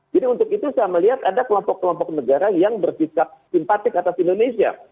jadi untuk itu saya melihat ada kelompok kelompok negara yang berpikir simpatik atas indonesia